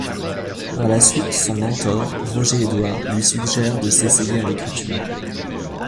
Par la suite, son mentor, Roger Edwards, lui suggère de s'essayer à l'écriture.